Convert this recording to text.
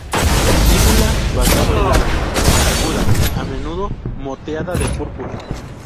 Lígula bastante larga, aguda, a menudo moteada de púrpura.